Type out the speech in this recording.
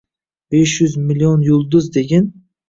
— Besh yuz million yulduz, degin?